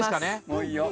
もういいよ。